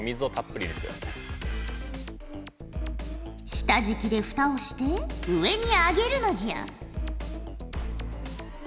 下じきで蓋をして上に上げるのじゃ。